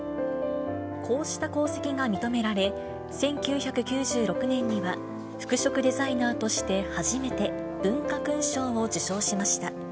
こうした功績が認められ、１９９６年には服飾デザイナーとして初めて、文化勲章を受章しました。